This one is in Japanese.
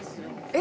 え？